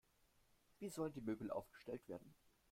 Wie sollen die Möbel aufgestellt werden?